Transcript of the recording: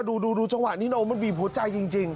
ดูจังหวะนี้โนมันบีบหัวใจจริง